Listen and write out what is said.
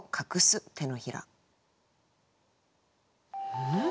うん？